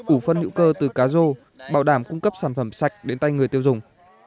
ủ phân hữu cơ từ cá rô bảo đảm cung cấp sản phẩm sạch đến tay người tiêu dùng